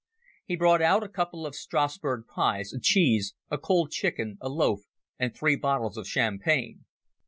He brought out a couple of Strassburg pies, a cheese, a cold chicken, a loaf, and three bottles of champagne.